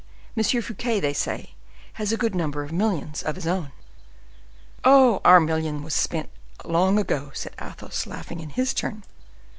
Fouquet, they say, has a good number of millions of his own." "Oh! our million was spent long ago," said Athos, laughing in his turn.